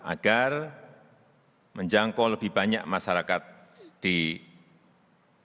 agar menjangkau lebih banyak masyarakat di indonesia